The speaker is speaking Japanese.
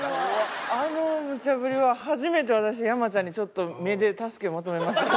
あのむちゃ振りは初めて私山ちゃんにちょっと目で助けを求めましたもん。